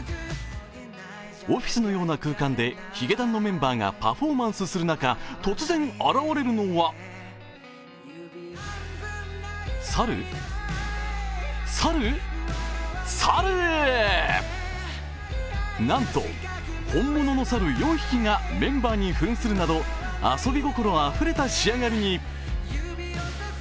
オフィスのような空間でヒゲダンのメンバーがパフォーマンスする中、突然、現れるのはなんと本物の猿４匹がメンバーに扮するなど遊び心あふれた仕上がりに。